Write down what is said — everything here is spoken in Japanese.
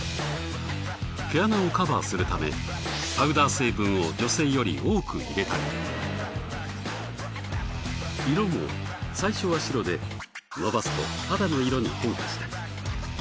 毛穴をカバーするためパウダー成分を女性より多く入れたり色も最初は白で伸ばすと肌の色に変化した。